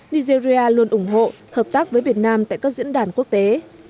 nigeria luôn ủng hộ hợp tác với việt nam tại các diễn đàn quốc tế